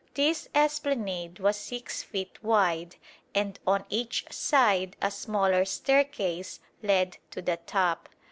This esplanade was 6 feet wide, and on each side a smaller staircase led to the top.